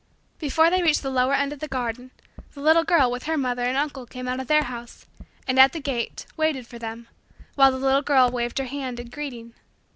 Before they reached the lower end of the garden, the little girl with her mother and uncle came out of their house and, at the gate, waited for them while the little girl waved her hand in greeting.